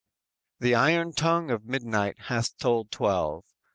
__The iron tongue of midnight hath told twelve.